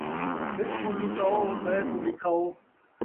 ہک کوں لکاؤ ، ٻئے کوں ݙکھاؤ